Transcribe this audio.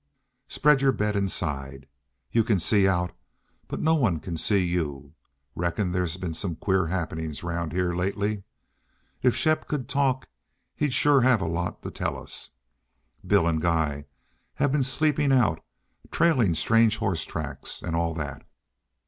Spread your bed inside. You can see out, but no one can see you. Reckon there's been some queer happenin's 'round heah lately. If Shepp could talk he'd shore have lots to tell us. Bill an' Guy have been sleepin' out, trailin' strange hoss tracks, an' all that.